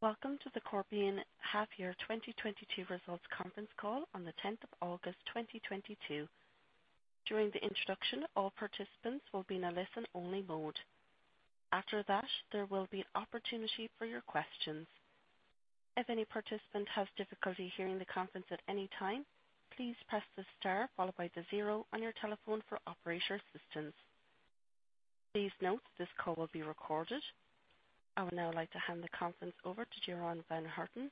Welcome to the Corbion Half Year 2022 Results Conference Call on the 10th of August 2022. During the introduction, all participants will be in a listen-only mode. After that, there will be opportunity for your questions. If any participant has difficulty hearing the conference at any time, please press the star followed by the zero on your telephone for operator assistance. Please note this call will be recorded. I would now like to hand the conference over to Jeroen van Harten,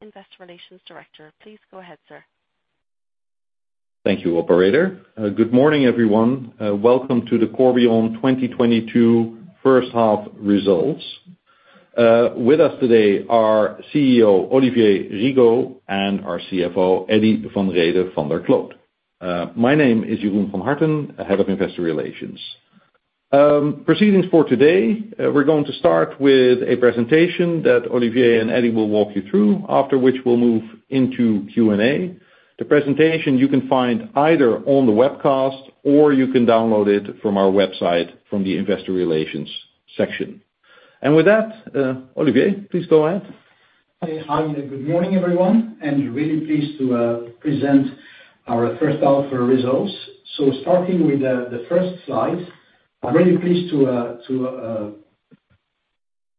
Investor Relations Director. Please go ahead, sir. Thank you, operator. Good morning, everyone. Welcome to the Corbion 2022 first half results. With us today are CEO Olivier Rigaud and our CFO, Eddy van Rhede van der Kloot. My name is Jeroen van Harten, head of investor relations. Proceedings for today, we're going to start with a presentation that Olivier and Eddy will walk you through, after which we'll move into Q&A. The presentation you can find either on the webcast or you can download it from our website from the investor relations section. With that, Olivier, please go ahead. Hi. Good morning, everyone, and really pleased to present our first half results. Starting with the first slide, I'm really pleased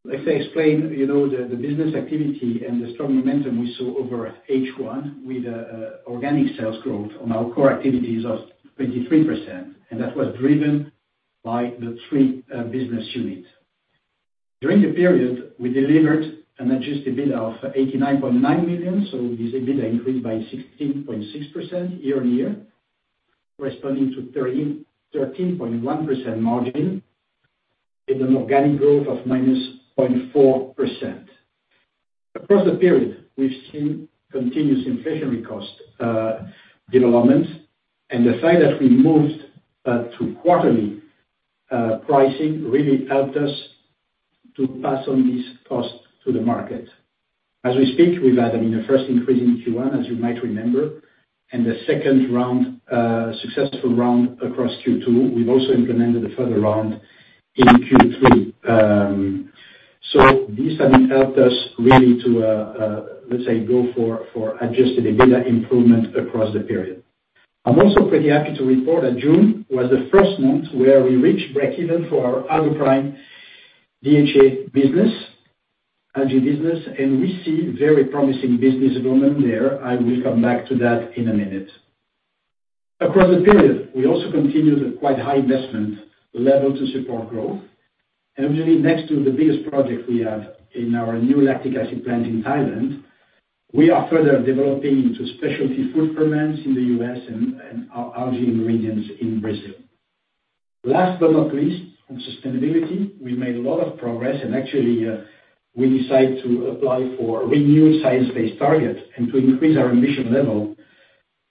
like I explained, you know, the business activity and the strong momentum we saw over H1 with organic sales growth on our core activities of 23%. That was driven by the three business units. During the period, we delivered an adjusted EBITDA of 89.9 million. This EBITDA increased by 16.6% year-on-year, corresponding to 13.1% margin and an organic growth of -0.4%. Across the period, we've seen continuous inflationary cost developments and the fact that we moved to quarterly pricing really helped us to pass on these costs to the market. As we speak, we've had, I mean, the first increase in Q1, as you might remember, and the second round, successful round across Q2, we've also implemented a further round in Q3. This has helped us really to, let's say go for Adjusted EBITDA improvement across the period. I'm also pretty happy to report that June was the first month where we reached breakeven for our AlgaPrime DHA business, algae business, and we see very promising business development there. I will come back to that in a minute. Across the period, we also continued a quite high investment level to support growth. Really next to the biggest project we have in our new lactic acid plant in Thailand, we are further developing into specialty food ferments in the U.S. and our algae ingredients in Brazil. Last but not least, on sustainability, we made a lot of progress and actually, we decide to apply for a renewed Science-Based Target and to increase our emission level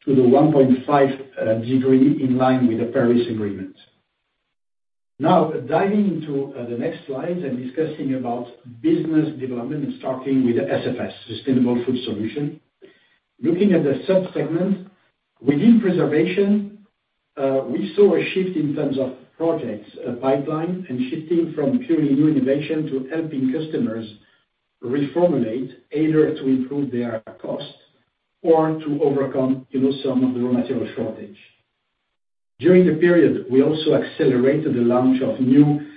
to the 1.5-degree in line with the Paris Agreement. Now, diving into the next slide and discussing about business development and starting with SFS, Sustainable Food Solutions. Looking at the sub-segment, within preservation, we saw a shift in terms of projects pipeline and shifting from purely new innovation to helping customers reformulate either to improve their cost or to overcome, you know, some of the raw material shortage. During the period, we also accelerated the launch of new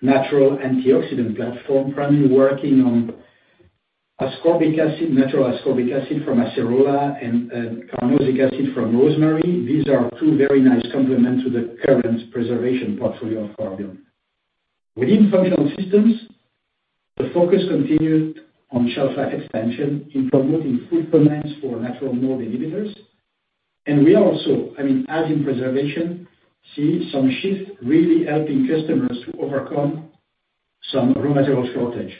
natural antioxidant platform, primarily working on ascorbic acid, natural ascorbic acid from acerola and carnosic acid from rosemary. These are two very nice complement to the current preservation portfolio of Corbion. Within functional systems, the focus continued on shelf life expansion in promoting food ferments for natural mold inhibitors. We also, I mean, as in preservation, see some shift really helping customers to overcome some raw material shortage.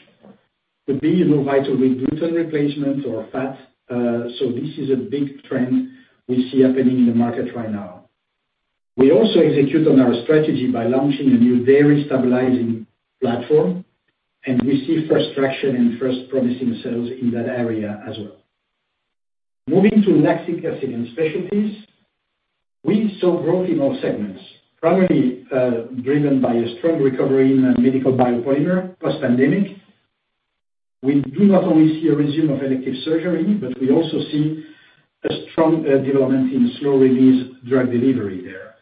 It being, you know, vital with gluten replacement or fat. This is a big trend we see happening in the market right now. We also execute on our strategy by launching a new dairy stabilizers platform, and we see first traction and first promising sales in that area as well. Moving to lactic acid and specialties, we saw growth in all segments, primarily driven by a strong recovery in medical biopolymer post-pandemic. We do not only see a resume of elective surgery, but we also see a strong development in slow-release drug delivery there.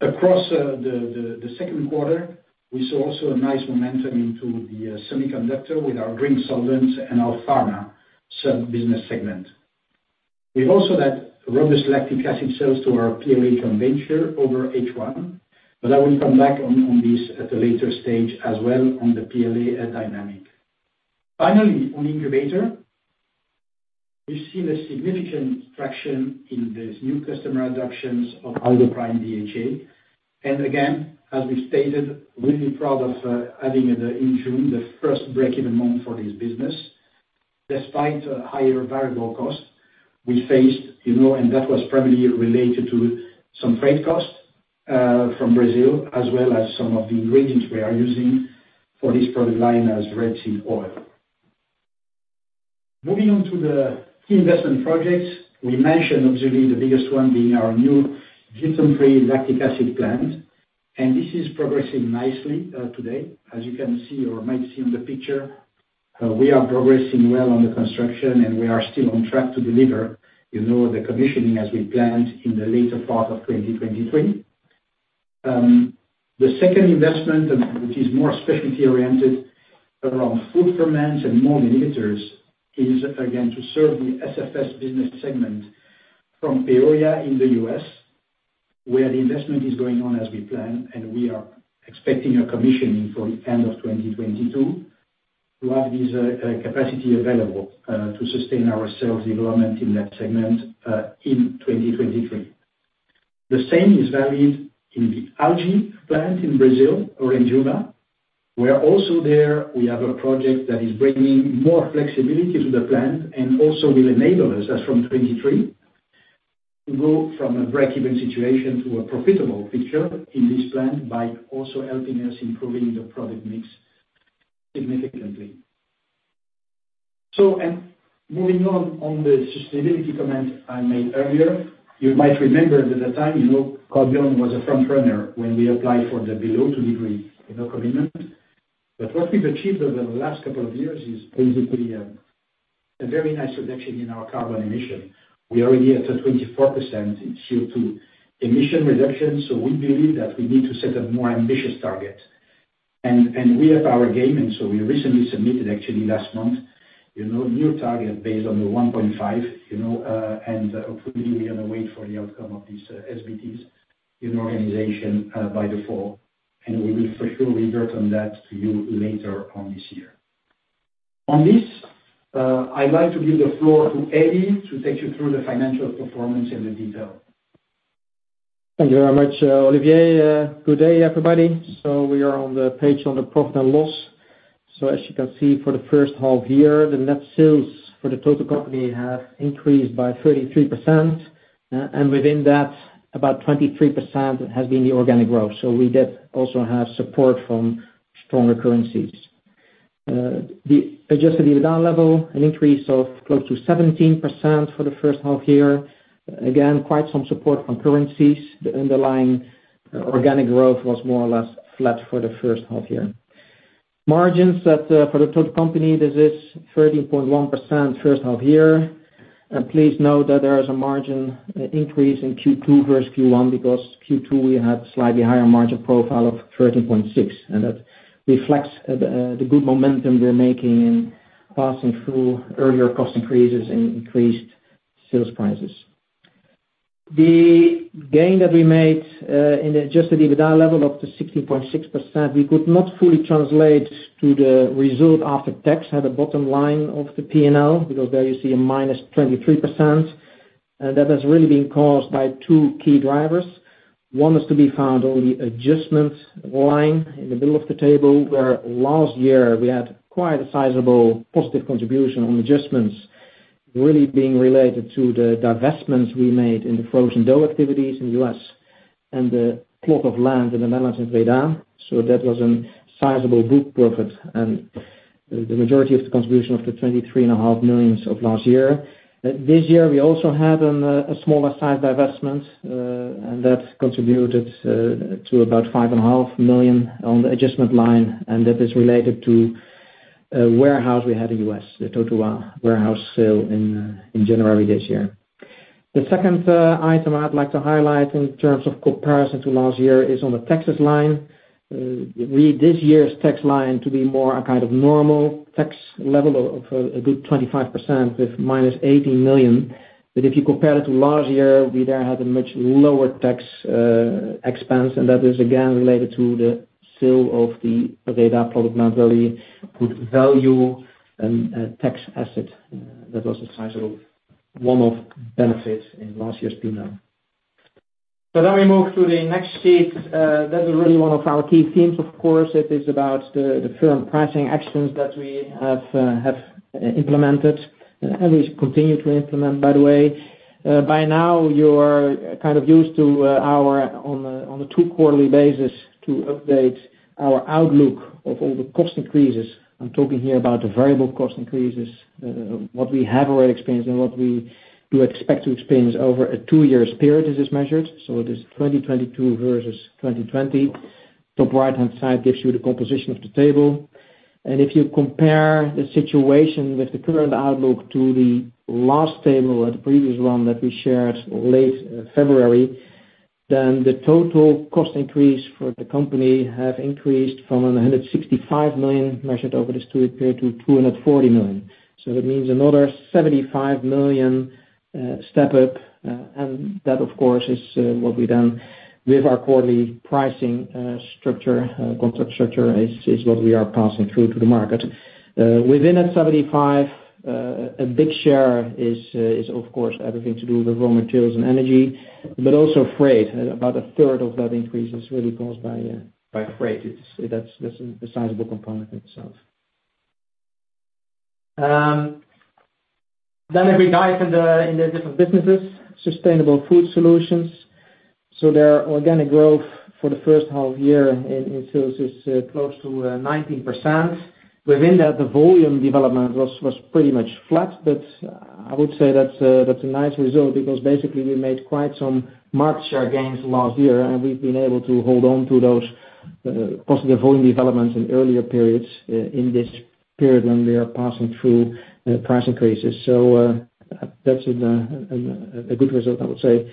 Across the second quarter, we saw also a nice momentum into the semiconductor with our green solvents and our pharma sub-business segment. We've also had robust lactic acid sales to our PLA joint venture over H1, but I will come back on this at a later stage as well on the PLA dynamic. Finally, on Algae Ingredients, we've seen a significant traction in these new customer adoptions of AlgaPrime DHA. Again, as we stated, really proud of having it in June, the first break-even month for this business. Despite higher variable costs we faced, you know, and that was primarily related to some freight costs from Brazil, as well as some of the ingredients we are using for this product line as rapeseed oil. Moving on to the key investment projects. We mentioned, obviously, the biggest one being our new gluten-free lactic acid plant, and this is progressing nicely, today. As you can see or might see on the picture, we are progressing well on the construction, and we are still on track to deliver, you know, the commissioning as we planned in the later part of 2023. The second investment, which is more specialty oriented around food ferments and mold inhibitors, is again, to serve the SFS business segment from Peoria in the U.S., where the investment is going on as we plan, and we are expecting a commissioning for end of 2022. We'll have this capacity available to sustain our sales development in that segment in 2023. The same is valid in the algae plant in Brazil or in Orindiúva, where also there we have a project that is bringing more flexibility to the plant and also will enable us as from 2023 to go from a break-even situation to a profitable future in this plant by also helping us improving the product mix significantly. Moving on the sustainability comment I made earlier, you might remember that at the time, you know, Corbion was a front runner when we applied for the below 2-degree, you know, commitment. What we've achieved over the last couple of years is basically, a very nice reduction in our carbon emission. We're already at a 24% CO2 emission reduction, so we believe that we need to set a more ambitious target. We have our game, and so we recently submitted, actually last month, you know, a new target based on the 1.5, you know. Hopefully we are going to wait for the outcome of these SBTi validation by the fall. We will for sure revert on that to you later on this year. On this, I'd like to give the floor to Eddie to take you through the financial performance in detail. Thank you very much, Olivier. Good day, everybody. We are on the page on the profit and loss. As you can see, for the first half year, the net sales for the total company have increased by 33%. Within that, about 23% has been the organic growth. We did also have support from stronger currencies. The adjusted EBITDA level, an increase of close to 17% for the first half year. Again, quite some support from currencies. The underlying organic growth was more or less flat for the first half year. Margins at, for the total company, this is 13.1% first half year. Please note that there is a margin increase in Q2 versus Q1 because Q2 we had slightly higher margin profile of 13.6, and that reflects the good momentum we're making in passing through earlier cost increases and increased sales prices. The gain that we made in the adjusted EBITDA level, up to 16.6%, we could not fully translate to the result after tax at the bottom line of the P&L, because there you see a -23%. That has really been caused by two key drivers. One is to be found on the adjustment line in the middle of the table, where last year we had quite a sizable positive contribution on adjustments, really being related to the divestments we made in the frozen dough activities in the U.S. and the plot of land in the Netherlands in Breda. That was a sizable book profit and the majority of the contribution of the 23.5 million of last year. This year we also had a smaller size divestment, and that contributed to about 5.5 million on the adjustment line, and that is related to a warehouse we had in U.S., the Totowa warehouse sale in January this year. The second item I'd like to highlight in terms of comparison to last year is on the taxes line. We read this year's tax line to be more a kind of normal tax level of a good 25% with -80 million. If you compare it to last year, we then had a much lower tax expense, and that is again related to the sale of the Breda plot of land value and tax asset. That was a sizable one-off benefit in last year's P&L. We move to the next sheet. That's really one of our key themes, of course. It is about the firm pricing actions that we have implemented, and we continue to implement, by the way. By now you're kind of used to our on a two quarterly basis to update our outlook of all the cost increases. I'm talking here about the variable cost increases, what we have already experienced and what we do expect to experience over a two-year period as is measured. It is 2022 versus 2020. Top right-hand side gives you the composition of the table. If you compare the situation with the current outlook to the last table or the previous one that we shared late February, then the total cost increase for the company have increased from 165 million measured over this two-year period to 240 million. That means another 75 million step up. That of course is what we've done with our quarterly pricing structure is what we are passing through to the market. Within that 75, a big share is of course everything to do with raw materials and energy, but also freight. About 1/3 of that increase is really caused by freight. That's a sizable component itself. If we dive in the different businesses, Sustainable Food Solutions. Their organic growth for the first half year in sales is close to 19%. Within that, the volume development was pretty much flat, but I would say that's a nice result because basically we made quite some market share gains last year, and we've been able to hold on to those positive volume developments in earlier periods in this period when we are passing through price increases. That's a good result, I would say.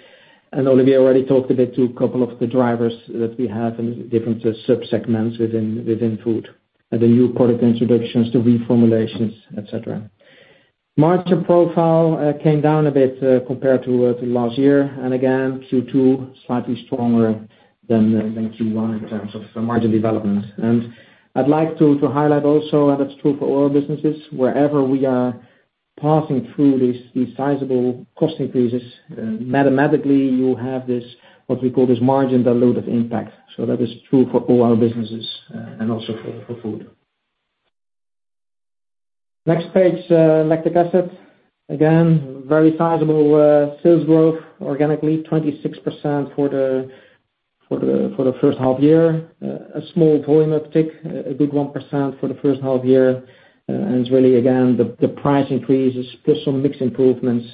Olivier already talked a bit to a couple of the drivers that we have in different sub-segments within food, the new product introductions, the reformulations, et cetera. Margin profile came down a bit compared to last year, and again, Q2 slightly stronger than Q1 in terms of margin development. I'd like to highlight also, and that's true for all our businesses, wherever we are passing through these sizable cost increases, mathematically, you have this, what we call this margin dilutive impact. That is true for all our businesses, and also for food. Next page, lactic acid. Again, very sizable sales growth organically, 26% for the first half year. A small volume uptick, a good 1% for the first half year. It's really again the price increases, plus some mix improvements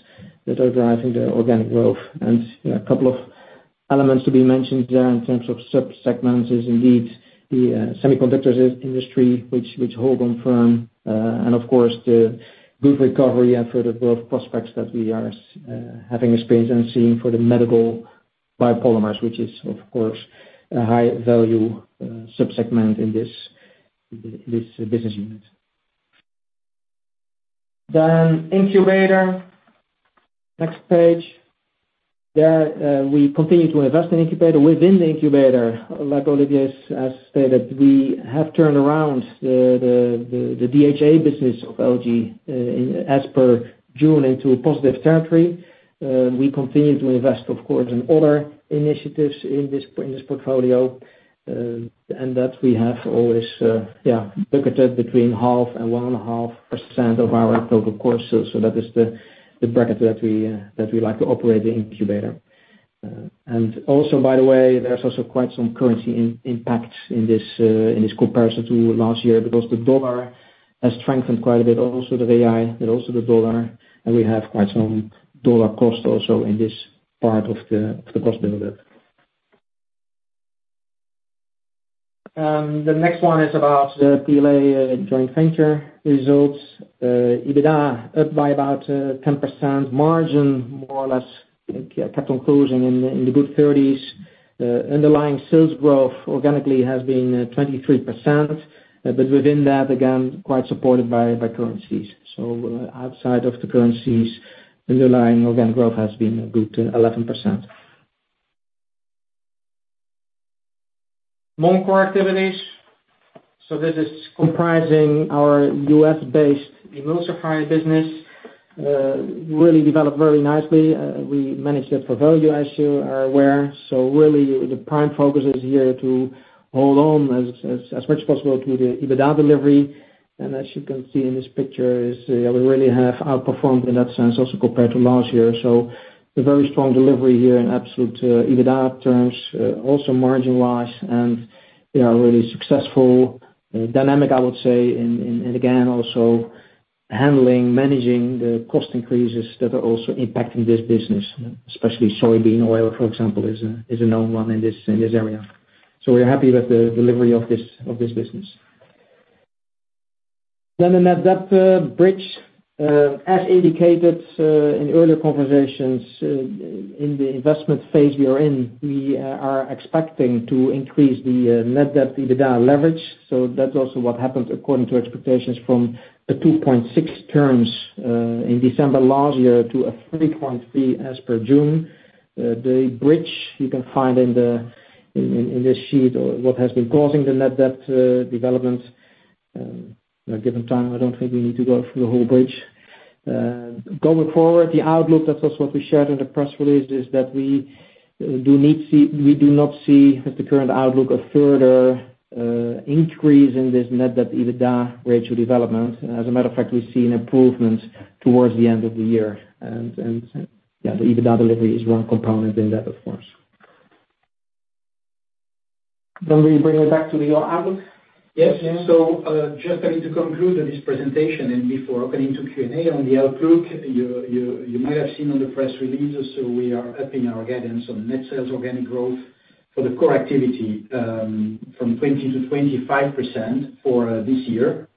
that are driving the organic growth. You know, a couple of elements to be mentioned there in terms of sub-segments is indeed the semiconductor industry, which is holding firm. Of course, the good recovery and further growth prospects that we are having experienced and seeing for the medical biopolymers, which is, of course, a high value sub-segment in this business unit. Incubator, next page. There, we continue to invest in Incubator. Within the Incubator, like Olivier has stated, we have turned around the DHA business of Algae as per June into a positive territory. We continue to invest of course in other initiatives in this portfolio. We have always targeted between 0.5% and 1.5% of our total costs. That is the bracket that we like to operate the Incubator. Also by the way, there's also quite some currency impact in this comparison to last year because the dollar has strengthened quite a bit, also the Real, but also the dollar, and we have quite some dollar cost also in this part of the cost build-up. The next one is about the PLA joint venture results. EBITDA up by about 10% margin, more or less, CapEx closing in the good thirties. Underlying sales growth organically has been 23%. But within that, again, quite supported by currencies. Outside of the currencies, underlying organic growth has been a good 11%. Non-core activities. This is comprising our U.S.-based emulsifier business, really developed very nicely. We managed it for value, as you are aware. Really the prime focus is here to hold on as much as possible to the EBITDA delivery. As you can see in this picture is, we really have outperformed in that sense also compared to last year. A very strong delivery here in absolute, EBITDA terms, also margin-wise, and, you know, really successful, dynamic, I would say. And again, also handling, managing the cost increases that are also impacting this business, especially soybean oil, for example, is a known one in this area. We're happy with the delivery of this business. The net debt bridge. As indicated in earlier conversations, in the investment phase we are in, we are expecting to increase the net debt to EBITDA leverage. That's also what happened according to expectations from 2.6 times in December last year to 3.3 as per June. The bridge you can find in this sheet or what has been causing the net debt development. Given time, I don't think we need to go through the whole bridge. Going forward, the outlook, that's also what we shared in the press release, is that we do not see at the current outlook a further increase in this net debt to EBITDA ratio development. As a matter of fact, we've seen improvements towards the end of the year. Yeah, the EBITDA delivery is one component in that of course. We bring it back to the outlook. Yes. Just, I mean, to conclude this presentation and before opening to Q&A on the outlook, you might have seen on the press release, so we are upping our guidance on net sales organic growth for the core activity from 20% to 25% for this year.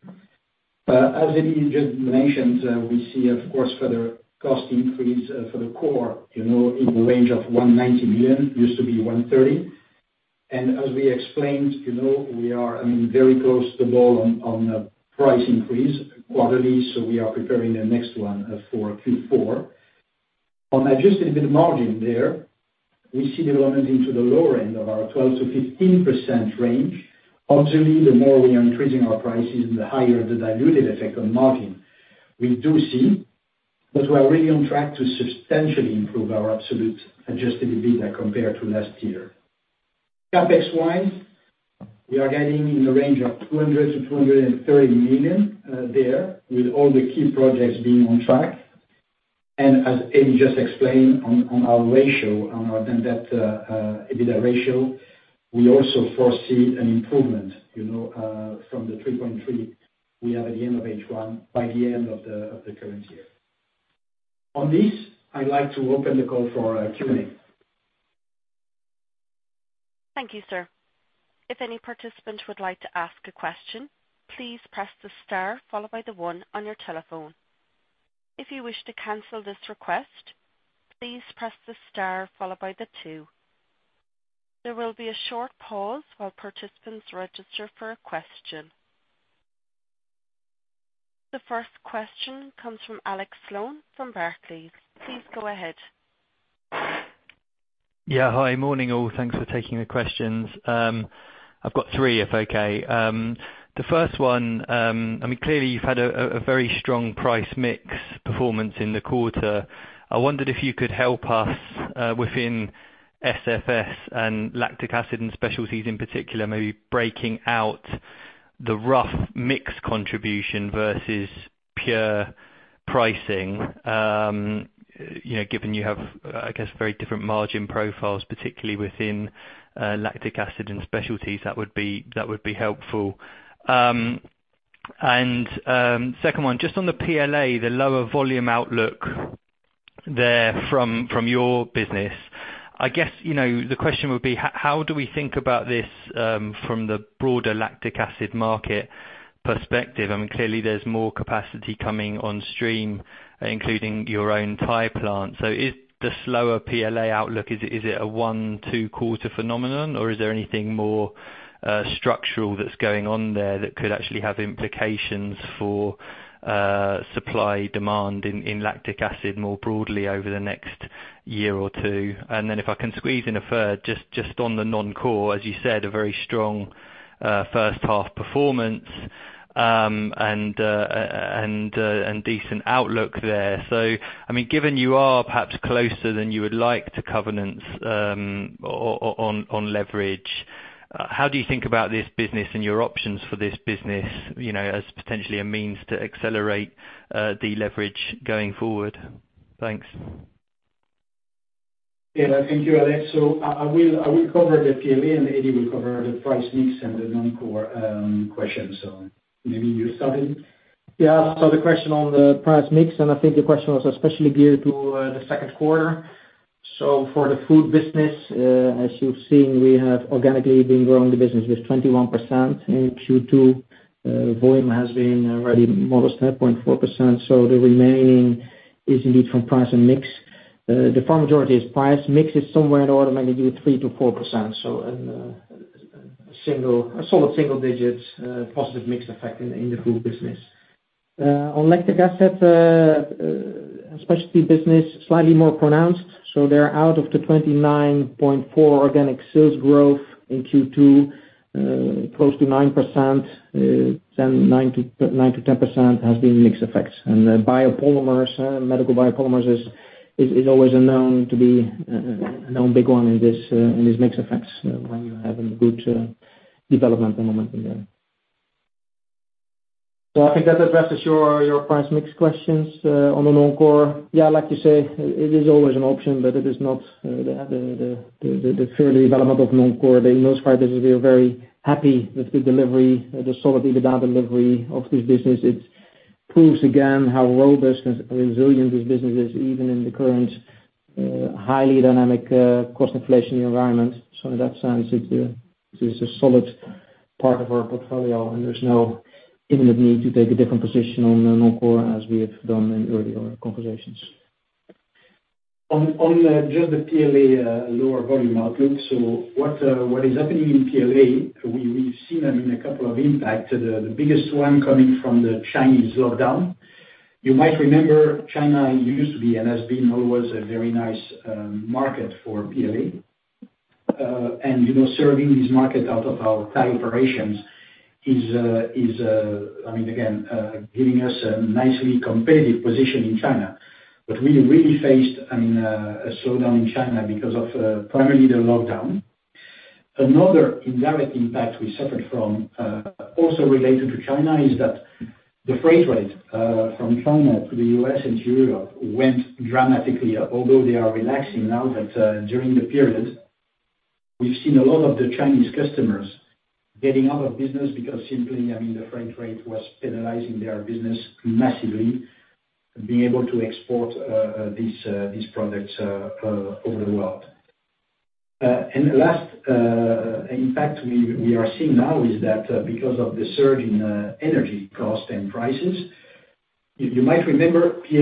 As Eddy van Rhede van der Kloot just mentioned, we see of course further cost increase for the core, you know, in the range of 190 million, used to be 130 million. As we explained, you know, we are, I mean, very close to the goal on a price increase quarterly, so we are preparing the next one for Q4. On Adjusted EBITDA margin there, we see development into the lower end of our 12% to 15% range. Obviously, the more we are increasing our prices, the higher the dilutive effect on margin we do see. We are really on track to substantially improve our absolute adjusted EBITDA compared to last year. CapEx-wise, we are guiding in the range of 200 million to 230 million, there with all the key projects being on track. As Eddy just explained on our net debt to EBITDA ratio, we also foresee an improvement, you know, from the 3.3 we have at the end of H1 by the end of the current year. On this, I'd like to open the call for Q&A. Thank you, sir. If any participant would like to ask a question, please press the star followed by the one on your telephone. If you wish to cancel this request, please press the star followed by the two. There will be a short pause while participants register for a question. The first question comes from Alex Sloane from Barclays. Please go ahead. Yeah. Hi. Morning, all. Thanks for taking the questions. I've got three if okay. The first one, I mean, clearly you've had a very strong price mix performance in the quarter. I wondered if you could help us, within SFS and lactic acid and specialties in particular, maybe breaking out the rough mix contribution versus pure pricing. You know, given you have, I guess, very different margin profiles, particularly within lactic acid and specialties, that would be helpful. Second one, just on the PLA, the lower volume outlook there from your business. I guess, you know, the question would be: How do we think about this, from the broader lactic acid market perspective? I mean, clearly there's more capacity coming on stream, including your own Thai plant. Is the slower PLA outlook a one or two-quarter phenomenon, or is there anything more structural that's going on there that could actually have implications for supply demand in lactic acid more broadly over the next year or two? Then if I can squeeze in a third, just on the non-core. As you said, a very strong first half performance and decent outlook there. I mean, given you are perhaps closer than you would like to covenants on leverage, how do you think about this business and your options for this business, you know, as potentially a means to accelerate the leverage going forward? Thanks. Yeah, thank you, Alex. I will cover the PLA and Eddie will cover the price mix and the non-core question. Maybe you start, Eddie. Yeah. The question on the price mix, and I think the question was especially geared to the second quarter. For the food business, as you've seen, we have organically been growing the business with 21% in Q2. Volume has been already modest at 0.4%, so the remaining is indeed from price and mix. The far majority is price. Mix is somewhere in the order of maybe 3% to 4%. A solid single digits positive mix effect in the food business. On lactic acid specialty business, slightly more pronounced. They're out of the 29.4 organic sales growth in Q2, close to 9%, 9% to 10% has been mix effects. The biopolymers, medical biopolymers is always known to be a known big one in this mix effects when you're having good development and momentum. I think that addresses your price mix questions on the non-core. Yeah, like you say, it is always an option, but it is not the fair development of non-core. In those five business, we are very happy with the delivery, the solid EBITDA delivery of this business. It proves again how robust and resilient this business is even in the current highly dynamic cost inflation environment. In that sense, it is a solid part of our portfolio, and there's no imminent need to take a different position on the non-core as we have done in earlier conversations. Just the PLA lower volume outlook. What is happening in PLA, we've seen, I mean, a couple of impacts. The biggest one coming from the Chinese lockdown. You might remember China used to be and has been always a very nice market for PLA. You know, serving this market out of our Thai operations is, I mean, again, giving us a nicely competitive position in China. But we really faced, I mean, a slowdown in China because of primarily the lockdown. Another indirect impact we suffered from, also related to China, is that the freight rate from China to the U.S. into Europe went dramatically up. Although they are relaxing now, but during the period, we've seen a lot of the Chinese customers getting out of business because simply, I mean, the freight rate was penalizing their business massively, being able to export these products over the world. The last impact we are seeing now is that, because of the surge in energy cost and prices. You might remember PLA,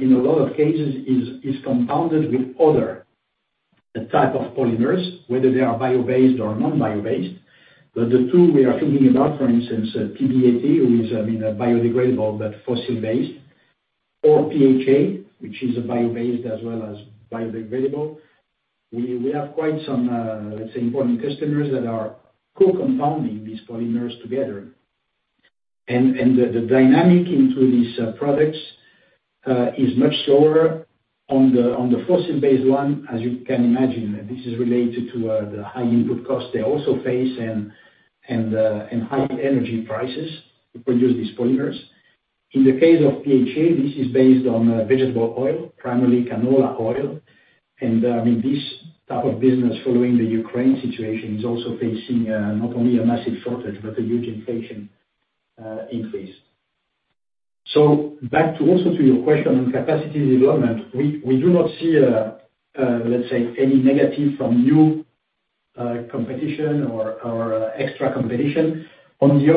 in a lot of cases, is compounded with other type of polymers, whether they are bio-based or non-bio-based. The two we are thinking about, for instance, PBAT, which is, I mean, a biodegradable but fossil-based, or PHA, which is a bio-based as well as biodegradable. We have quite some, let's say important customers that are co-compounding these polymers together. The demand into these products is much lower on the fossil-based one, as you can imagine. This is related to the high input costs they also face and high energy prices to produce these polymers. In the case of PHA, this is based on vegetable oil, primarily canola oil. I mean, this type of business following the Ukraine situation is also facing not only a massive shortage but a huge inflation increase. Back to also to your question on capacity development, we do not see, let's say any negative from new competition or extra competition. On the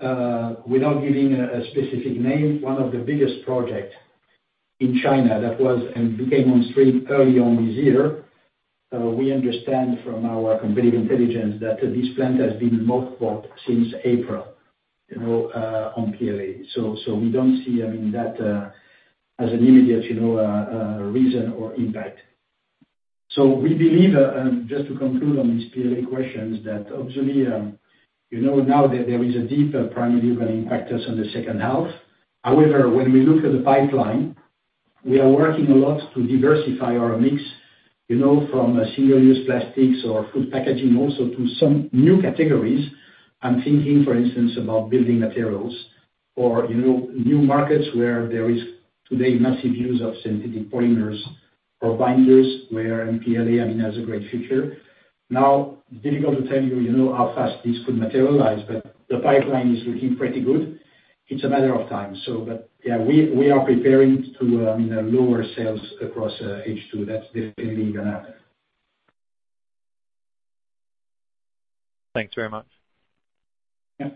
opposite, without giving a specific name, one of the biggest projects in China that came on stream early this year, we understand from our competitive intelligence that this plant has been mothballed since April, you know, on PLA. So we don't see, I mean, that as an immediate, you know, reason or impact. So we believe, just to conclude on these PLA questions, that obviously, you know, now there is a deep primary earnings impact to us on the second half. However, when we look at the pipeline, we are working a lot to diversify our mix, you know, from single-use plastics or food packaging also to some new categories. I'm thinking for instance about building materials or, you know, new markets where there is today massive use of synthetic polymers or binders where PLA, I mean, has a great future. Now, difficult to tell you know, how fast this could materialize, but the pipeline is looking pretty good. It's a matter of time. But yeah, we are preparing to, I mean, lower sales across H2. That's definitely gonna happen. Thanks very much. Yeah.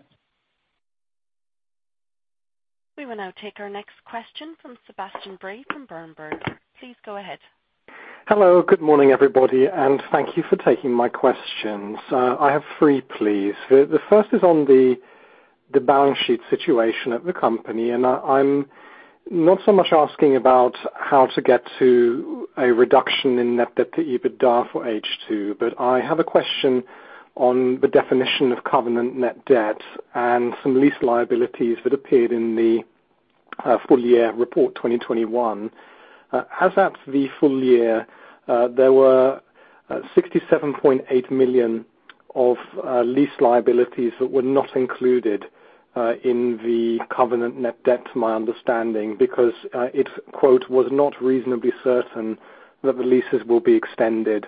We will now take our next question from Sebastian Bray from Berenberg Bank. Please go ahead. Hello. Good morning, everybody, and thank you for taking my questions. I have three, please. The first is on the balance sheet situation at the company, and I'm not so much asking about how to get to a reduction in net debt to EBITDA for H2, but I have a question on the definition of covenant net debt and some lease liabilities that appeared in the full year report 2021. As at the full year, there were 67.8 million of lease liabilities that were not included in the covenant net debt, to my understanding, because it's quote, "was not reasonably certain that the leases will be extended."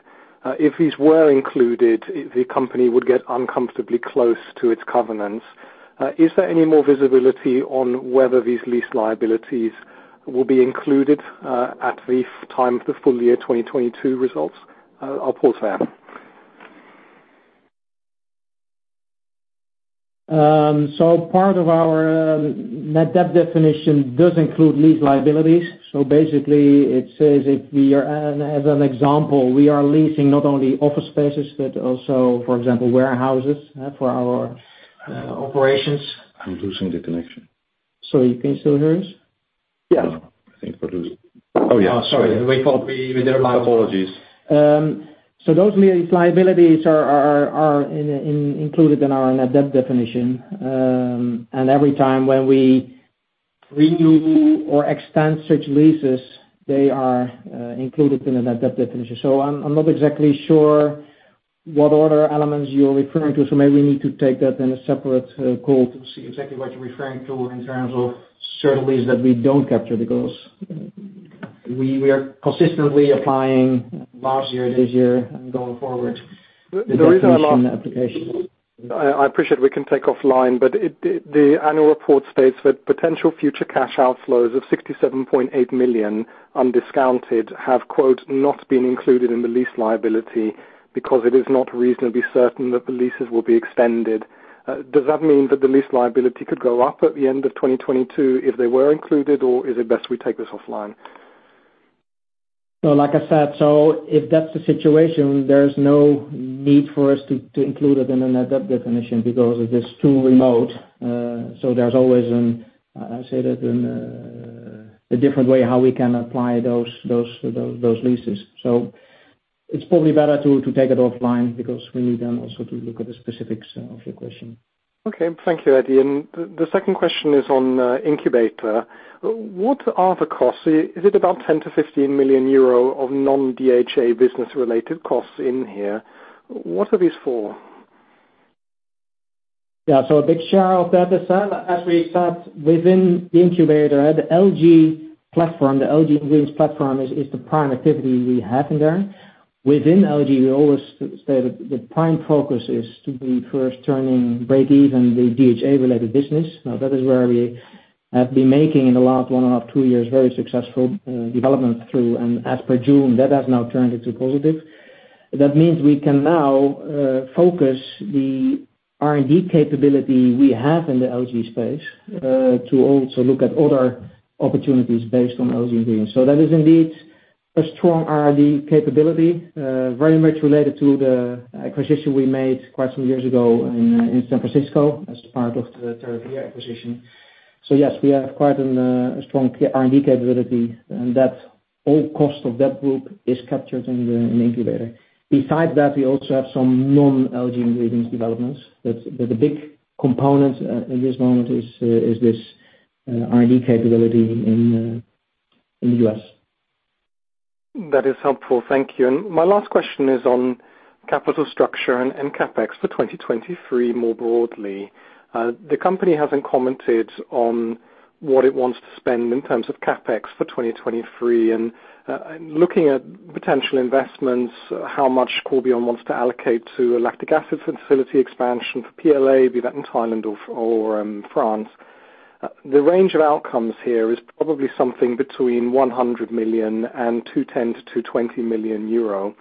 If these were included, the company would get uncomfortably close to its covenants. Is there any more visibility on whether these lease liabilities will be included at the time for full year 2022 results? I'll pause there. Part of our net debt definition does include lease liabilities. Basically it says if we are leasing not only office spaces, but also, for example, warehouses for our operations. I'm losing the connection. You can still hear us? Yes. Oh, yeah. Oh, sorry. We thought we were there live. Apologies. Those lease liabilities are included in our net debt definition. Every time when we renew or extend such leases, they are included in the net debt definition. I'm not exactly sure what other elements you're referring to, so maybe we need to take that in a separate call to see exactly what you're referring to in terms of certain leases that we don't capture because we are consistently applying last year, this year, and going forward. The reason I'm asking The definition application. I appreciate we can take this offline, but the annual report states that potential future cash outflows of 67.8 million undiscounted have "Not been included in the lease liability because it is not reasonably certain that the leases will be extended." Does that mean that the lease liability could go up at the end of 2022 if they were included, or is it best we take this offline? Like I said, if that's the situation, there's no need for us to include it in the net debt definition because it is too remote. There's always, I say it in a different way how we can apply those leases. It's probably better to take it offline because we need then also to look at the specifics of your question. Okay. Thank you, Eddy. The second question is on incubator. What are the costs? Is it about 10 million to 15 million euro of non-DHA business related costs in here? What are these for? Yeah. A big share of that is, as we said, within the incubator, the Algae platform, the Algae Ingredients platform is the prime activity we have in there. Within Algae, we always say that the prime focus is to be first turning breakeven the DHA related business. Now, that is where we have been making in the last 1.5 to two years, very successful development through. As per June, that has now turned into positive. That means we can now focus the R&D capability we have in the Algae space to also look at other opportunities based on Algae Ingredients. That is indeed a strong R&D capability, very much related to the acquisition we made quite some years ago in San Francisco as part of the TerraVia acquisition. Yes, we have quite an a strong R&D capability, and that all cost of that group is captured in the incubator. Besides that, we also have some non-algae ingredients developments. But the big component at this moment is this R&D capability in the U.S. That is helpful. Thank you. My last question is on capital structure and CapEx for 2023 more broadly. The company hasn't commented on what it wants to spend in terms of CapEx for 2023 and, looking at potential investments, how much Corbion wants to allocate to a lactic acid facility expansion for PLA, be that in Thailand or France. The range of outcomes here is probably something between 100 million and 210 million euro to 220 million euro.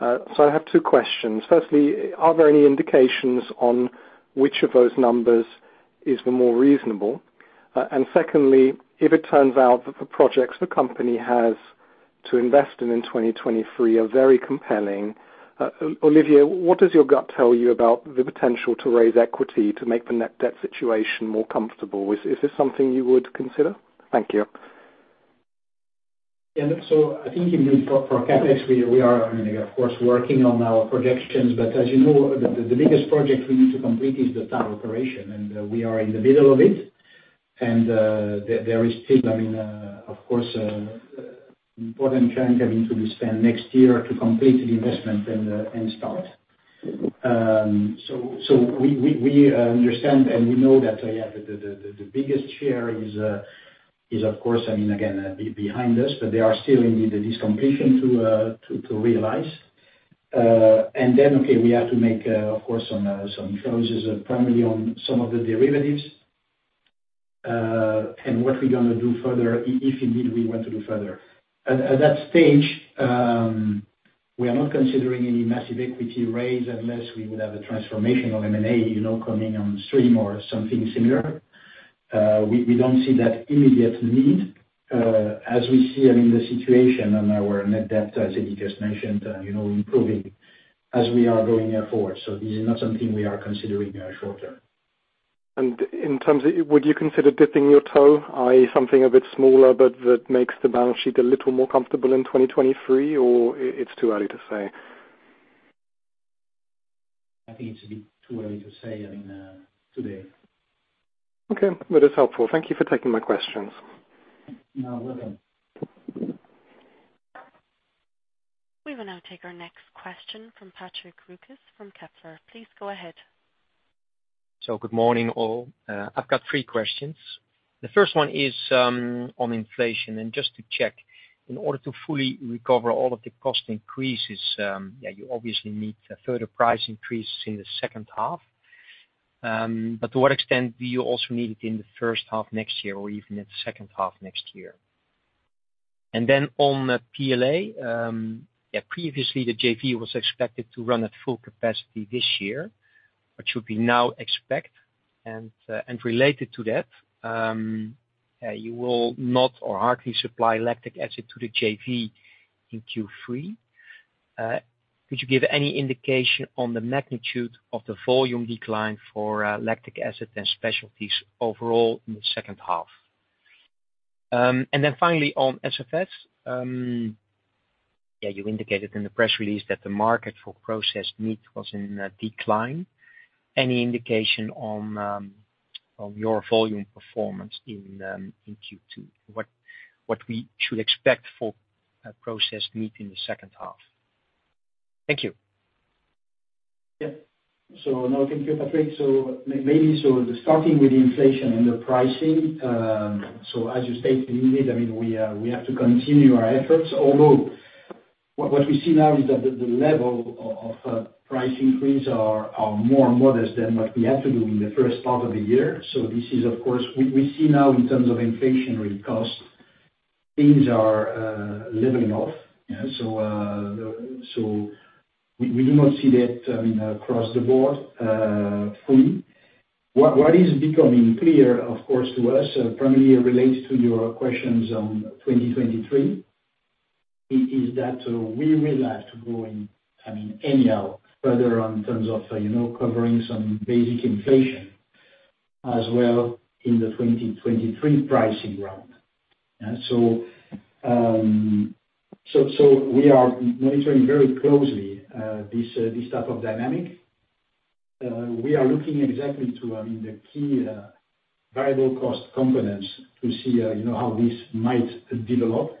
I have two questions. Firstly, are there any indications on which of those numbers is the more reasonable? Secondly, if it turns out that the projects the company has to invest in 2023 are very compelling, Olivier, what does your gut tell you about the potential to raise equity to make the net debt situation more comfortable? Is this something you would consider? Thank you. Yeah. I think, you know, for CapEx, we are, I mean, of course, working on our projections. But as you know, the biggest project we need to complete is the Thailand operation, and we are in the middle of it. There is still, I mean, of course, important tranche having to be spent next year to complete the investment and start. We understand and we know that, yeah, the biggest share is, of course, I mean, again, behind us, but there are still indeed this completion to realize. We have to make, of course, some choices primarily on some of the derivatives, and what we're gonna do further if indeed we want to do further. At that stage, we are not considering any massive equity raise unless we would have a transformational M&A, you know, coming on stream or something similar. We don't see that immediate need, as we see, I mean, the situation on our net debt, as Eddie just mentioned, you know, improving as we are going forward. This is not something we are considering short term. In terms of, would you consider dipping your toe, i.e., something a bit smaller, but that makes the balance sheet a little more comfortable in 2023, or it's too early to say? I think it's a bit too early to say, I mean, today. Okay. Well, that's helpful. Thank you for taking my questions. You are welcome. We will now take our next question from Peter Kazius from Kepler. Please go ahead. Good morning, all. I've got three questions. The first one is on inflation. Just to check, in order to fully recover all of the cost increases, you obviously need further price increases in the second half. But to what extent do you also need it in the first half next year or even in the second half next year? Then on the PLA, previously, the JV was expected to run at full capacity this year. What should we now expect? Related to that, you will not or hardly supply lactic acid to the JV in Q3. Could you give any indication on the magnitude of the volume decline for lactic acid and specialties overall in the second half? Then finally on SFS. Yeah, you indicated in the press release that the market for processed meat was in decline. Any indication on your volume performance in Q2? What we should expect for processed meat in the second half? Thank you. Yeah. No, thank you, Peter Kazius. Maybe starting with the inflation and the pricing, as you stated, indeed, I mean, we have to continue our efforts, although what we see now is that the level of price increase are more modest than what we had to do in the first part of the year. This is of course, we see now in terms of inflationary cost, things are leveling off. Yeah. We do not see that, I mean, across the board, fully. What is becoming clear, of course, to us, primarily relates to your questions on 2023, is that, we will have to go in, I mean, anyhow further on in terms of, you know, covering some basic inflation as well in the 2023 pricing round. We are monitoring very closely this type of dynamic. We are looking exactly to, I mean, the key variable cost components to see, you know, how this might develop.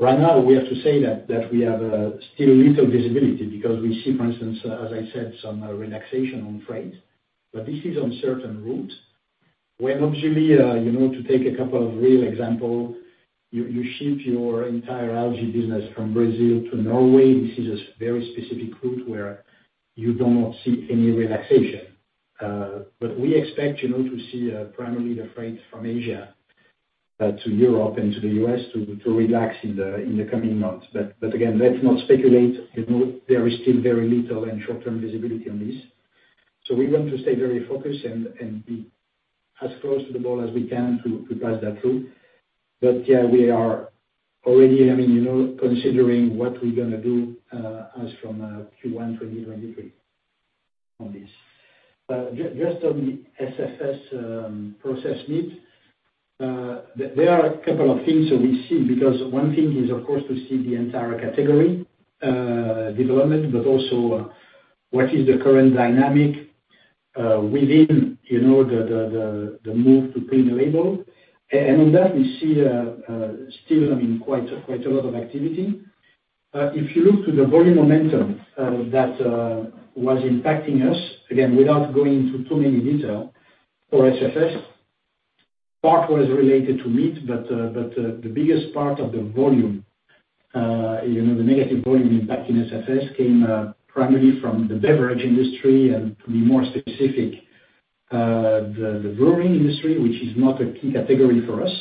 Right now, we have to say that we have still little visibility because we see, for instance, as I said, some relaxation on freight, but this is on certain routes. When actually, you know, to take a couple of real examples, you ship your entire algae business from Brazil to Norway, this is a very specific route where you do not see any relaxation. But we expect, you know, to see primarily the freight from Asia to Europe and to the U.S. to relax in the coming months. Again, let's not speculate. You know, there is still very little and short-term visibility on this. We want to stay very focused and be as close to the ball as we can to pass that through. Yeah, we are already, I mean, you know, considering what we're gonna do as from Q1 2023. On this. Just on the SFS, process needs, there are a couple of things that we've seen, because one thing is, of course, to see the entire category development, but also, what is the current dynamic within, you know, the move to clean label. In that we see still, I mean, quite a lot of activity. If you look to the volume momentum that was impacting us, again, without going into too many details for SFS, part was related to meat, but the biggest part of the volume, you know, the negative volume impact in SFS came primarily from the beverage industry and to be more specific, the brewing industry, which is not a key category for us,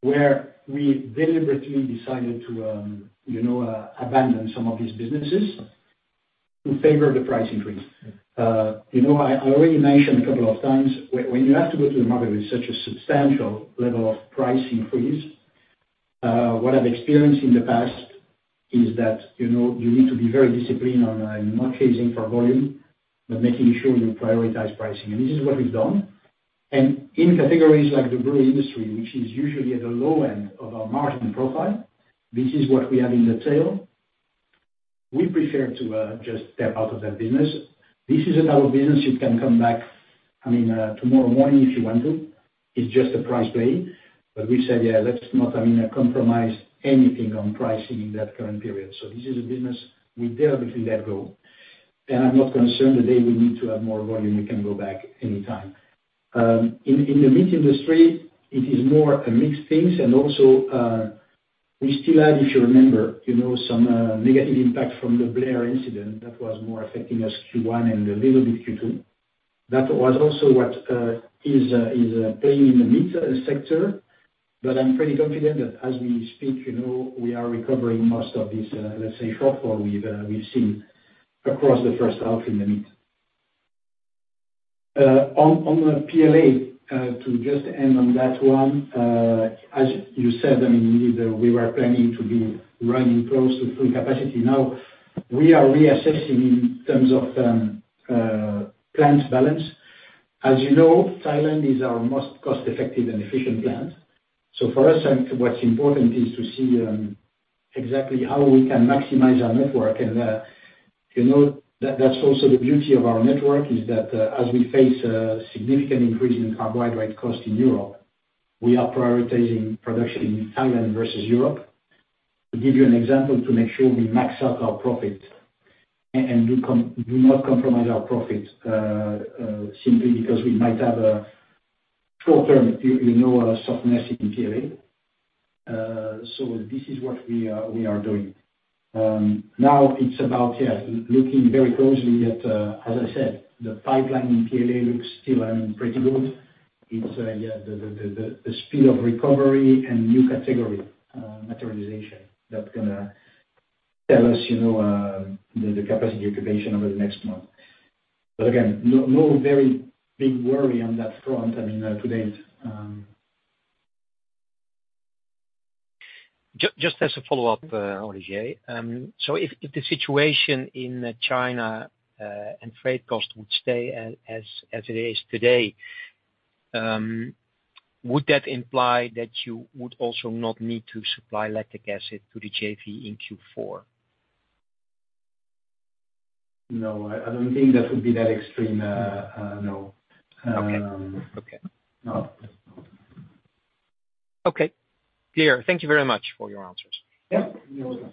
where we deliberately decided to, you know, abandon some of these businesses in favor of the price increase. You know, I already mentioned a couple of times, when you have to go to the market with such a substantial level of price increase, what I've experienced in the past is that, you know, you need to be very disciplined on not chasing for volume, but making sure you prioritize pricing. This is what we've done. In categories like the brew industry, which is usually at the low end of our margin profile, this is what we have in the tail. We prefer to just step out of that business. This is our business, it can come back, I mean, tomorrow morning, if you want to. It's just a price play. We said, yeah, let's not, I mean, compromise anything on pricing in that current period. This is a business we deliberately let go. I'm not concerned, the day we need to have more volume, we can go back any time. In the meat industry, it is more a mixed things. Also, we still had, if you remember, you know, some negative impact from the Blair incident that was more affecting us Q1 and a little bit Q2. That was also what is playing in the meat sector. I'm pretty confident that as we speak, you know, we are recovering most of this, let's say shortfall we've seen across the first half in the meat. On the PLA, to just end on that one, as you said, I mean, we were planning to be running close to full capacity. Now, we are reassessing in terms of plant balance. As you know, Thailand is our most cost-effective and efficient plant. For us, what's important is to see exactly how we can maximize our network. You know, that's also the beauty of our network, is that, as we face a significant increase in carbohydrate cost in Europe, we are prioritizing production in Thailand versus Europe. To give you an example, to make sure we max out our profits and do not compromise our profits simply because we might have a short-term, you know, softness in PLA. This is what we are doing. Now it's about looking very closely at, as I said, the pipeline in PLA looks still, I mean, pretty good. It's the speed of recovery and new category materialization that's gonna tell us, you know, the capacity occupation over the next month. Again, no very big worry on that front, I mean, today it's. Just as a follow-up, Olivier. If the situation in China and freight cost would stay as it is today, would that imply that you would also not need to supply lactic acid to the JV in Q4? No, I don't think that would be that extreme. No. Okay. Okay. No. Okay. Clear. Thank you very much for your answers. Yeah. You're welcome.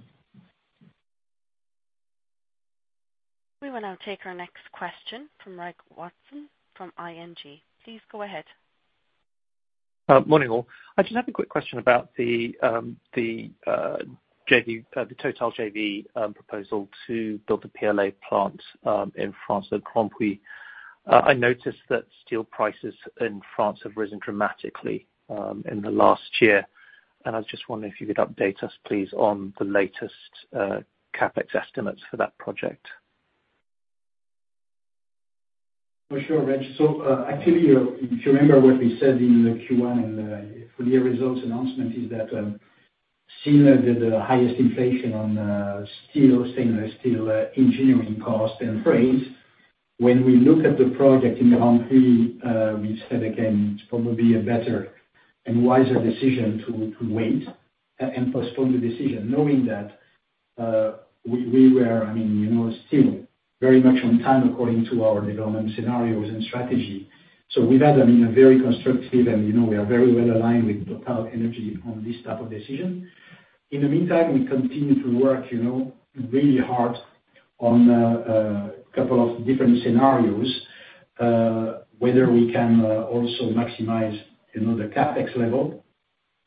We will now take our next question from Reginald Watson from ING Financial Markets. Please go ahead. Morning all. I just have a quick question about the JV, the TotalEnergies Corbion proposal to build a PLA plant in France, at Grandpuits. I noticed that steel prices in France have risen dramatically in the last year. I was just wondering if you could update us, please, on the latest CapEx estimates for that project. For sure, Reg. Actually, if you remember what we said in the Q1 and full year results announcement, we're seeing the highest inflation in steel, stainless steel, engineering costs and freight when we look at the project in Grandpuits, we said again, it's probably a better and wiser decision to wait and postpone the decision, knowing that we were, I mean, you know, still very much on time according to our development scenarios and strategy. We've had, I mean, a very constructive and, you know, we are very well aligned with TotalEnergies on this type of decision. In the meantime, we continue to work, you know, really hard on a couple of different scenarios whether we can also maximize, you know, the CapEx level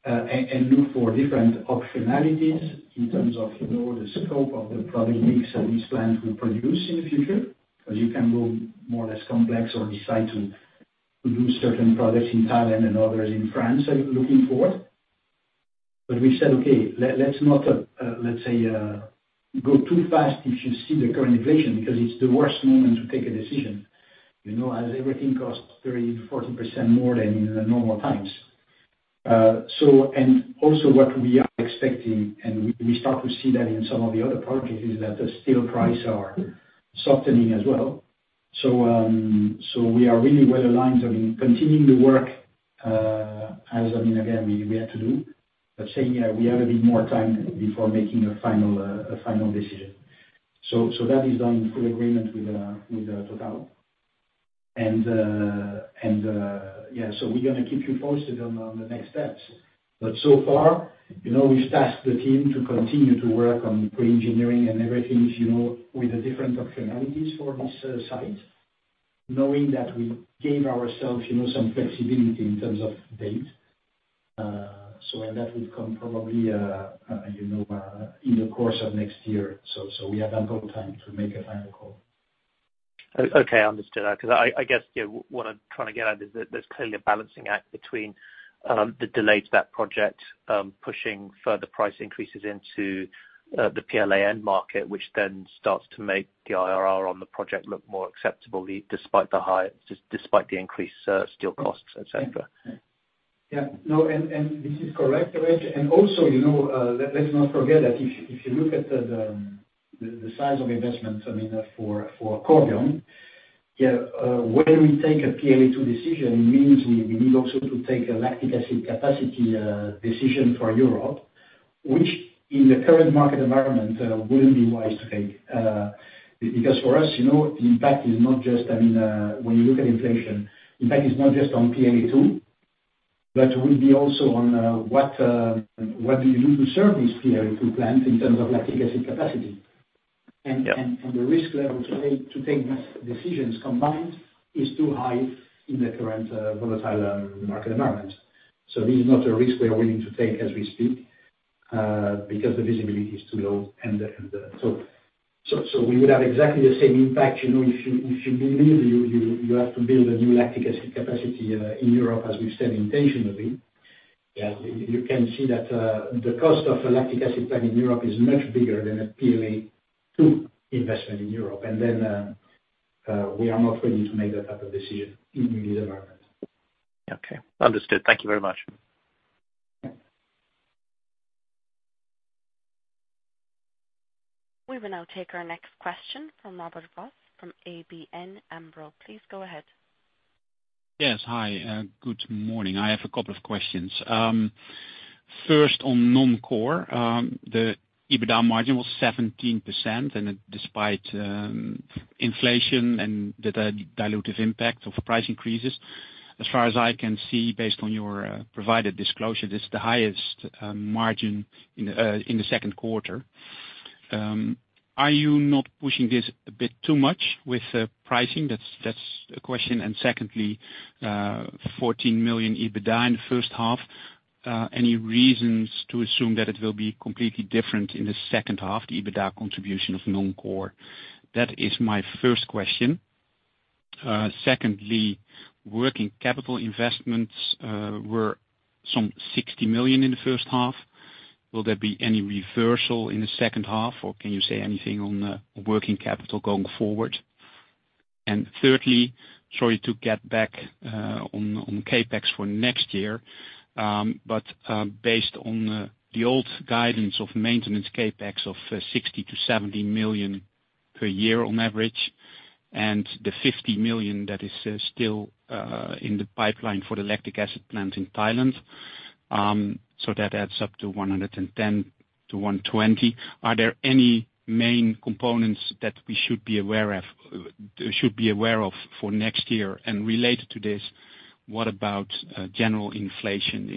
and look for different optionalities in terms of, you know, the scope of the product mix that this plant will produce in the future because you can go more or less complex or decide to do certain products in Thailand and others in France, looking forward. We said, "Okay, let's not go too fast if you see the current inflation, because it's the worst moment to take a decision, you know, as everything costs 30% to 40% more than in the normal times." Also what we are expecting, and we start to see that in some of the other projects, is that the steel prices are softening as well. We are really well aligned. I mean, continuing the work, as I mean, again, we had to do. Saying that we have a bit more time before making a final decision. That is done in full agreement with TotalEnergies. Yeah, we're gonna keep you posted on the next steps. So far, you know, we've tasked the team to continue to work on pre-engineering and everything, you know, with the different functionalities for this site, knowing that we gave ourselves, you know, some flexibility in terms of date. When that will come probably, you know, in the course of next year. We have ample time to make a final call. Okay. Understood. Because I guess, you know, what I'm trying to get at is that there's clearly a balancing act between the delay to that project, pushing further price increases into the PLA end market, which then starts to make the IRR on the project look more acceptable despite the increased steel costs, et cetera. Yeah. No, this is correct, Wim. Also, you know, let's not forget that if you look at the size of investment, I mean, for Corbion, when we take a PLA-2 decision, it means we need also to take a lactic acid capacity decision for Europe, which, in the current market environment, wouldn't be wise to take. Because for us, you know, the impact is not just, I mean, when you look at inflation, the impact is not just on PLA-2, but will be also on what do you do to serve this PLA-2 plant in terms of lactic acid capacity? The risk level to take those decisions combined is too high in the current volatile market environment. This is not a risk we are willing to take as we speak because the visibility is too low. We would have exactly the same impact, you know, if you believe you have to build a new lactic acid capacity in Europe as we said intentionally. Yeah. You can see that the cost of a lactic acid plant in Europe is much bigger than a PLA-2 investment in Europe. We are not ready to make that type of decision in this environment. Okay. Understood. Thank you very much. Yeah. We will now take our next question from Robert Jan Vos from ABN AMRO. Please go ahead. Yes. Hi. Good morning. I have a couple of questions. First on non-core, the EBITDA margin was 17% and despite inflation and the dilutive impact of price increases, as far as I can see based on your provided disclosure, this is the highest margin in the second quarter. Are you not pushing this a bit too much with pricing? That's a question. Secondly, 14 million EBITDA in the first half. Any reasons to assume that it will be completely different in the second half, the EBITDA contribution of non-core? That is my first question. Secondly, working capital investments were some 60 million in the first half. Will there be any reversal in the second half, or can you say anything on working capital going forward? Thirdly, sorry to get back on CapEx for next year, but based on the old guidance of maintenance CapEx of 60 million to 70 million per year on average, and the 50 million that is still in the pipeline for the lactic acid plant in Thailand, so that adds up to 110 million to 120 million. Are there any main components that we should be aware of for next year? Related to this, what about general inflation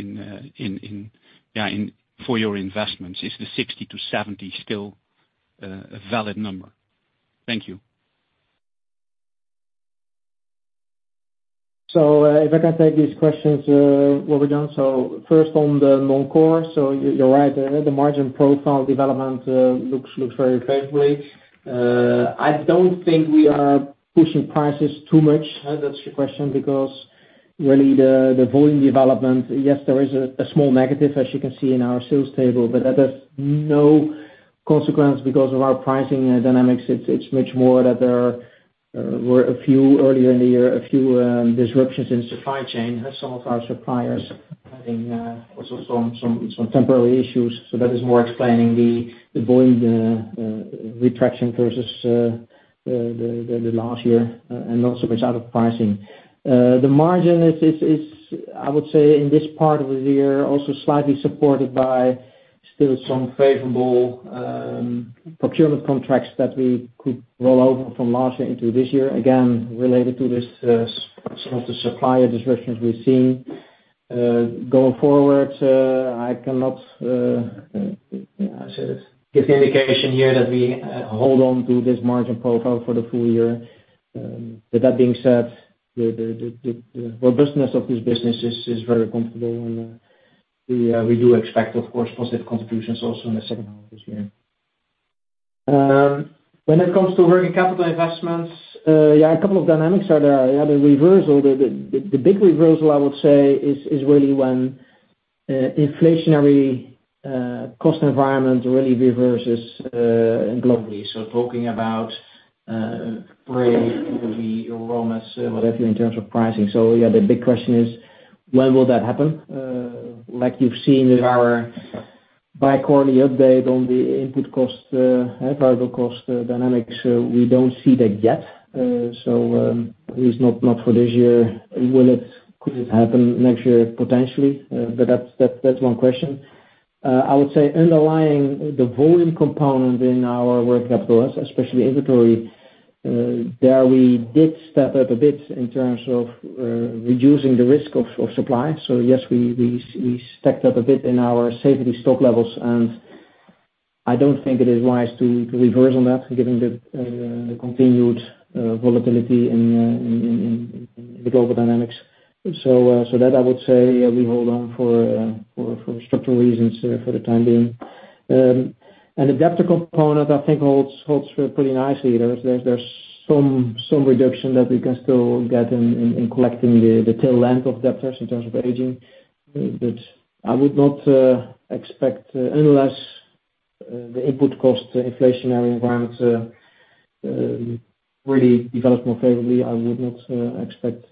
in yeah in for your investments? Is the 60 million to 70 million still a valid number? Thank you. If I can take these questions, Robert, on. First on the non-core. You're right. The margin profile development looks very favorably. I don't think we are pushing prices too much. That's your question, because really the volume development, yes, there is a small negative as you can see in our sales table, but that has no consequence because of our pricing dynamics. It's much more that there were a few earlier in the year, a few disruptions in supply chain. Some of our suppliers having also some temporary issues. That is more explaining the volume retraction versus the last year, and also based out of pricing. The margin is, I would say, in this part of the year, also slightly supported by still some favorable procurement contracts that we could roll over from last year into this year, again, related to this, some of the supplier disruptions we've seen. Going forward, I cannot give the indication here that we hold on to this margin profile for the full year. With that being said, the robustness of this business is very comfortable and we do expect, of course, positive contributions also in the second half of this year. When it comes to working capital investments, yeah, a couple of dynamics are there. Yeah, the big reversal I would say is really when inflationary cost environment really reverses globally. Talking about- Regarding the raw material in terms of pricing. Yeah, the big question is when will that happen? Like you've seen with our bi-quarterly update on the input cost, variable cost dynamics, we don't see that yet. At least not for this year. Could it happen next year? Potentially. But that's one question. I would say underlying the volume component in our working capital, especially inventory, there we did step up a bit in terms of reducing the risk of supply. Yes, we stacked up a bit in our safety stock levels, and I don't think it is wise to reverse on that given the continued volatility in the global dynamics. That I would say we hold on for structural reasons for the time being. The debt component, I think holds pretty nicely. There's some reduction that we can still get in collecting the tail end of debtors in terms of aging. I would not expect, unless the input cost inflationary environments really develops more favorably, I would not expect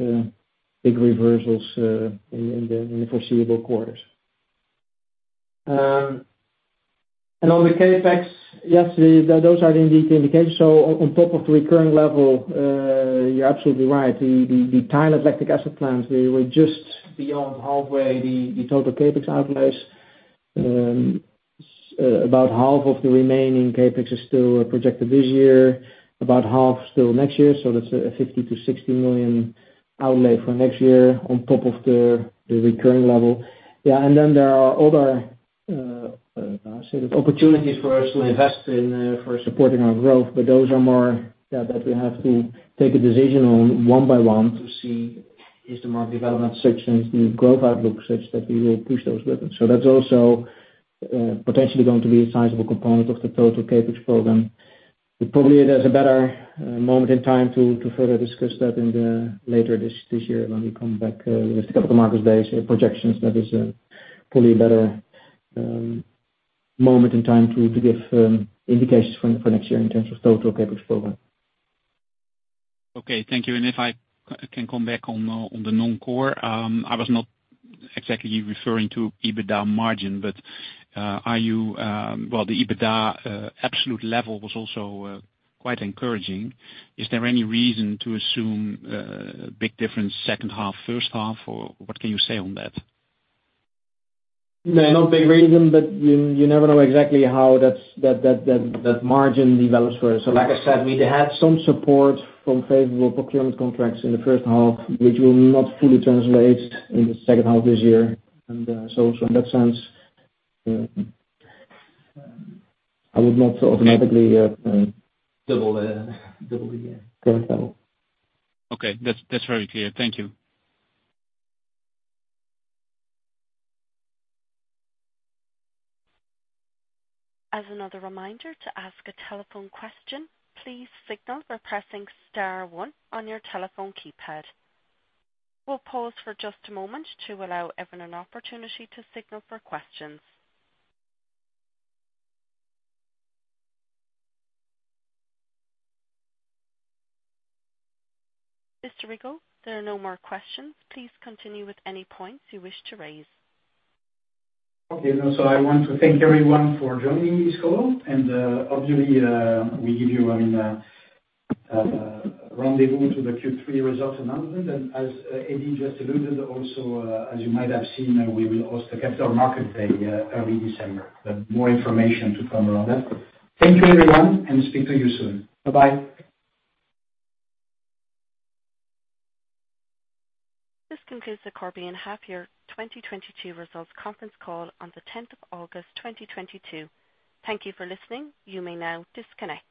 big reversals in the foreseeable quarters. On the CapEx, yes, those are indeed the indications. On top of the recurring level, you're absolutely right. The Thai lactic acid plant, we were just beyond halfway the total CapEx outlays. About half of the remaining CapEx is still projected this year, about half still next year. That's a 50 million to 60 million outlay for next year on top of the recurring level. There are other sort of opportunities for us to invest in for supporting our growth, but those are more that we have to take a decision on one by one to see is the market development such and the growth outlook such that we will push those buttons. That's also potentially going to be a sizable component of the total CapEx program. Probably there's a better moment in time to further discuss that later this year when we come back with the Capital Markets Day projections. That is probably a better moment in time to give indications for next year in terms of total CapEx program. Okay, thank you. If I can come back on the non-core, I was not exactly referring to EBITDA margin, but well, the EBITDA absolute level was also quite encouraging. Is there any reason to assume a big difference second half, first half, or what can you say on that? No, not big reason, but you never know exactly how that margin develops for us. Like I said, we had some support from favorable procurement contracts in the first half, which will not fully translate in the second half this year. In that sense, I would not automatically double the current level. Okay. That's very clear. Thank you. As another reminder, to ask a telephone question, please signal by pressing star one on your telephone keypad. We'll pause for just a moment to allow everyone an opportunity to signal for questions. Mr. Rigaud, there are no more questions. Please continue with any points you wish to raise. Okay. No, I want to thank everyone for joining this call, and, obviously, we give you, I mean, rendezvous to the Q3 results announcement. As Eddy just alluded also, as you might have seen, we will host the Capital Markets Day, early December. More information to come around that. Thank you everyone, and speak to you soon. Bye-bye. This concludes the Corbion half-year 2022 results conference call on the 10th of August, 2022. Thank you for listening. You may now disconnect.